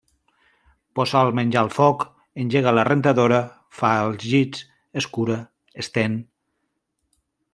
Posa el menjar al foc, engega la rentadora, fa els llits, escura, estén…